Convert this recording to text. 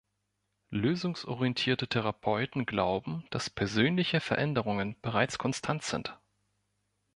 Lösungsorientierte Therapeuten glauben, dass persönliche Veränderungen bereits konstant sind.